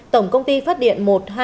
tổng công ty phát điện một trăm hai mươi